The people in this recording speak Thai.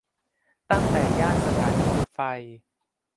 ตั้งแต่ย่านสถานีรถไฟ